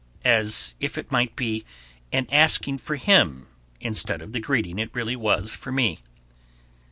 as if it might be an asking for him instead of the greeting it really was for me.